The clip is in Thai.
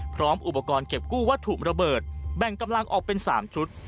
พร้อมอุปกรณ์เก็บกู้วัตถุระเบิดแบ่งกำลังออกเป็น๓ชุด